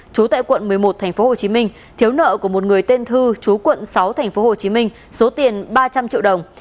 chú tại quận một mươi một tp hcm thiếu nợ của một người tên thư chú quận sáu tp hcm số tiền ba trăm linh triệu đồng